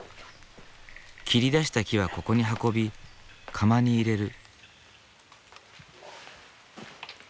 切り出した木はここに運び窯に入れる。